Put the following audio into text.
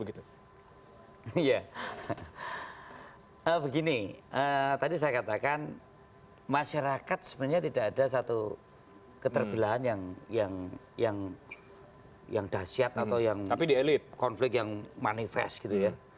iya begini tadi saya katakan masyarakat sebenarnya tidak ada satu keterbilaan yang dahsyat atau konflik yang manifest